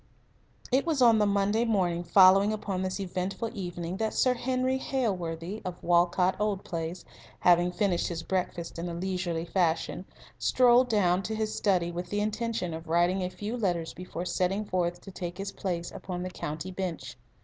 It was on the Monday morning following upon this eventful evening that Sir Henry Hailworthy, of Walcot Old Place, having finished his breakfast in a leisurely fashion, strolled down to his study with the intention of writing a few letters before setting forth to take his place upon the county bench.